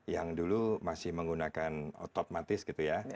yang dulu masih menggunakan otomatis gitu ya